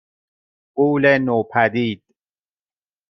غولِ نوپدید